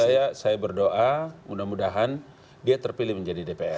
saya berdoa mudah mudahan dia terpilih menjadi dpr